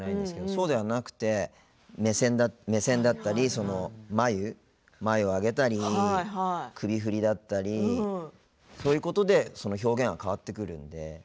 そうではなくて、目線だったり眉を上げたり首振りだったり、そういうことで表現は変わってくるので。